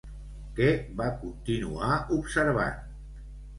Què va continuar observant?